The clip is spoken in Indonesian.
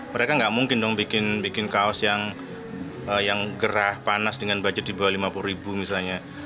mereka nggak mungkin dong bikin kaos yang gerah panas dengan budget di bawah lima puluh ribu misalnya